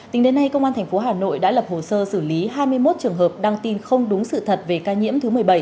tính đến nay công an tp hà nội đã lập hồ sơ xử lý hai mươi một trường hợp đăng tin không đúng sự thật về ca nhiễm thứ một mươi bảy